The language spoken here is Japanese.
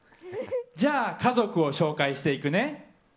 じゃあ、家族を紹介していくね。